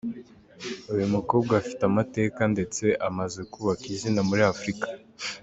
Uyu mukobwa afite amateka ndetse amaze kubaka izina muri Afurika.